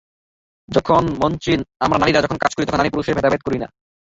মঞ্চে আমরা নারীরা যখন কাজ করি, তখন নারী-পুরুষের ভেদাভেদ করি না।